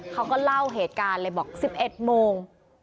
เขาก็เล่าเหตุการณ์เลยบอก๑๑โมง